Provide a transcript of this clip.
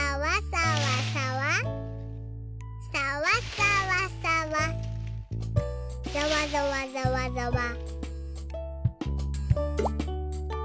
ざわざわざわざわ。